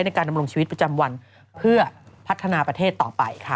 ในการดำรงชีวิตประจำวันเพื่อพัฒนาประเทศต่อไปค่ะ